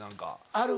ある。